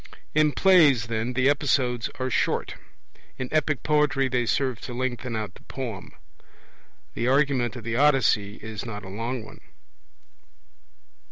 In plays, then, the episodes are short; in epic poetry they serve to lengthen out the poem. The argument of the Odyssey is not a long one.